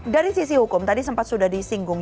dari sisi hukum tadi sempat sudah disinggung